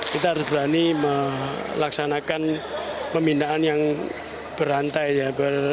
kita harus berani melaksanakan pembinaan yang berantai ya